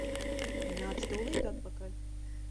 Nāc tūlīt atpakaļ!